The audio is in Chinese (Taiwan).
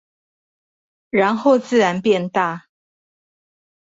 然後自然變大